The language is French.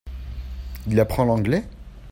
Il apprend l'anglais ?